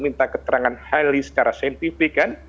minta keterangan highly secara scientific kan